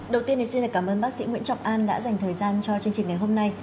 đầu tiên thì xin cảm ơn bác sĩ nguyễn trọng an đã dành thời gian cho chương trình ngày hôm nay